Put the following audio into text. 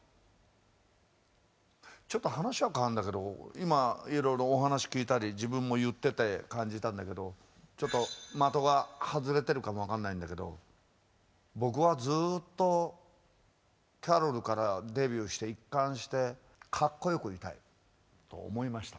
ちょっと話は変わるんだけど今いろいろお話聞いたり自分も言ってて感じたんだけどちょっと的が外れてるかもわかんないんだけど僕はずっとキャロルからデビューして一貫してかっこよくいたいと思いました。